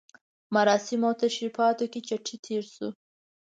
مراسمو او تشریفاتو کې چټي تېر شو.